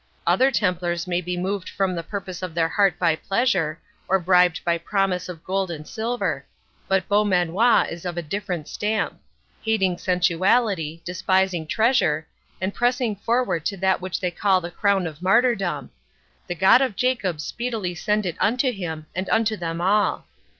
"Other Templars may be moved from the purpose of their heart by pleasure, or bribed by promise of gold and silver; but Beaumanoir is of a different stamp—hating sensuality, despising treasure, and pressing forward to that which they call the crown of martyrdom—The God of Jacob speedily send it unto him, and unto them all!